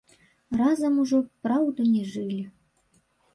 Разам ужо, праўда, не жылі.